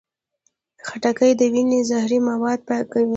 خټکی د وینې زهري مواد پاکوي.